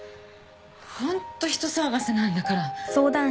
ホンット人騒がせなんだから